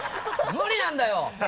無理なんだよ！